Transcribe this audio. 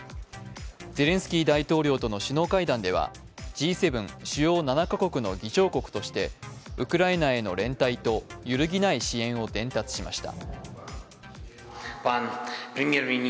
ゼレンスキー大統領との首脳会談ではＧ７＝主要７か国の議長国としてウクライナへの連帯と揺るぎない支援を伝達しました。